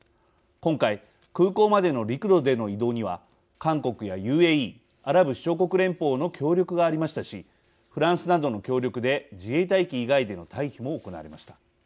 今回空港までの陸路での移動には韓国やＵＡＥアラブ首長国連邦の協力がありましたしフランスなどの協力で自衛隊機以外での退避も行われました。